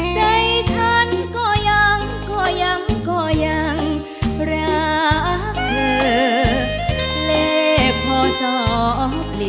ใจฉันก็ยังก็ยังก็ยังรักเธอเลขพศ